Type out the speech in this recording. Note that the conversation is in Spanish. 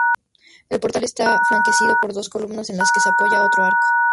El portal está flanqueado por dos columnas en las que se apoya otro arco.